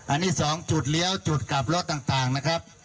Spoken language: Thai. อันนี้๒จุดเลี้ยวจุดกลับรถต่างนะครับ